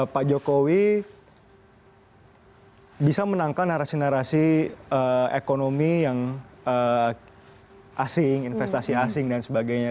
pak jokowi bisa menangkan narasi narasi ekonomi yang asing investasi asing dan sebagainya